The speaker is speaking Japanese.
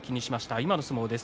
今の相撲です。